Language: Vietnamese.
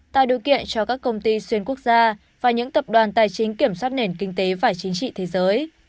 tạo điều kiện cho các công ty xuyên quốc gia và những tập đoàn tài chính kiểm soát nền kinh tế và chính trị thế giới